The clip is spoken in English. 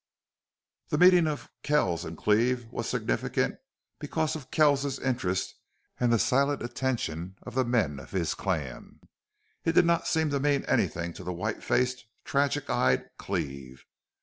The meeting of Kells and Cleve was significant because of Kells's interest and the silent attention of the men of his clan. It did not seem to mean anything to the white faced, tragic eyed Cleve.